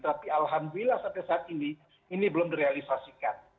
tapi alhamdulillah sampai saat ini ini belum direalisasikan